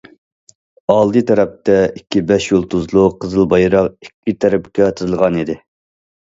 ئالدى تەرەپتە ئىككى بەش يۇلتۇزلۇق قىزىل بايراق ئىككى تەرەپكە تىزىلغانىدى.